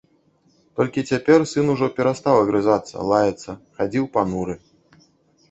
Толькі цяпер сын ужо перастаў агрызацца, лаяцца, хадзіў пануры.